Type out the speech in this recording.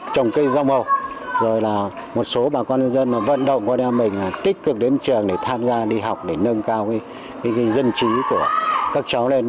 trồng cây rong hồ rồi là một số bà con nhân dân vận động qua đêm mình tích cực đến trường để tham gia đi học để nâng cao cái dân trí của các cháu lên